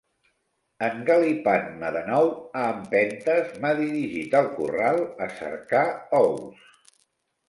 Engalipant-me de nou, a empentes m'ha dirigit al corral a cercar ous.